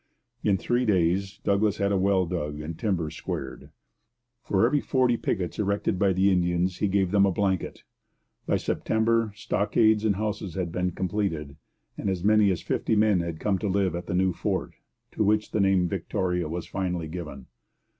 In three days Douglas had a well dug and timbers squared. For every forty pickets erected by the Indians he gave them a blanket. By September stockades and houses had been completed, and as many as fifty men had come to live at the new fort, to which the name Victoria was finally given.